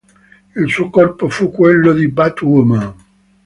Il suo corpo fu quello di Batwoman.